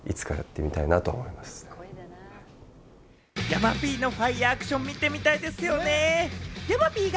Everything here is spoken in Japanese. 山Ｐのファイアアクション見てみたいですよね。